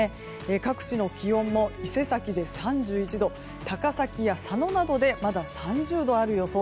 各地の気温も伊勢崎で３１度高崎や佐野などでまだ３０度ある予想。